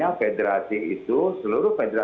yaudah kita lihat ya